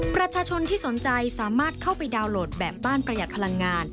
ประชาชนที่สนใจสามารถเข้าไปดาวน์โหลดแบบบ้านประหยัดพลังงาน